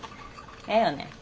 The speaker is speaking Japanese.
ええよね？